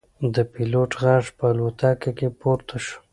د پیلوټ غږ په الوتکه کې پورته شو.